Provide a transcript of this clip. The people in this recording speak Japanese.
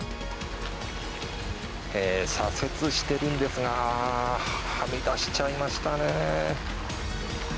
左折しているんですがはみ出してしまいましたね。